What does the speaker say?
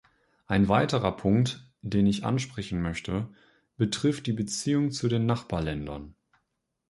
Ein weiterer Punkt, den ich ansprechen möchte, betrifft die Beziehung zu den Nachbarländern.